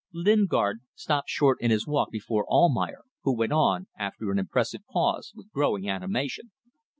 Lingard stopped short in his walk before Almayer, who went on, after an impressive pause, with growing animation.